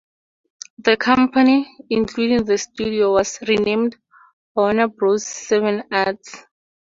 The company, including the studio, was renamed Warner Bros.-Seven Arts.